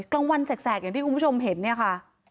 กลางวันแสกอย่างที่คุณผู้ชมเห็นเนี่ยค่ะ